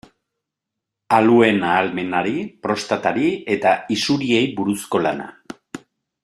Aluen ahalmenari, prostatari eta isuriei buruzko lana.